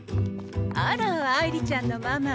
あら愛梨ちゃんのママ。